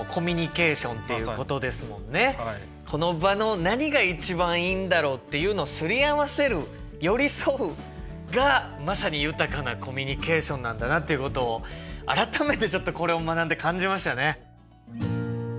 この場の何が一番いいんだろうっていうのをすり合わせる寄り添うがまさに豊かなコミュニケーションなんだなっていうことを改めてちょっとこれを学んで感じましたね。